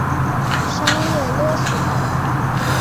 商业勒索